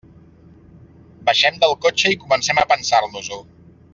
Baixem del cotxe i comencem a pensar-nos-ho.